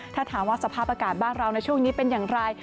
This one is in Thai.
ถ้าถามว่าสภาพอากาศบ้านเราในช่วงนี้เป็นอย่างไร